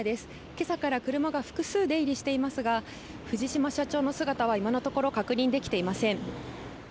今朝から車が複数出入りしていますが藤島社長の姿は今のところ確認できていません